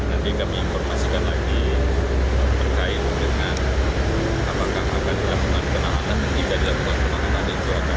nanti kami informasikan lagi berkait dengan apakah akan dilakukan penanganan atau tidak dilakukan penanganan dan itu akan diperlukan